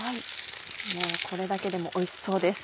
もうこれだけでもおいしそうです。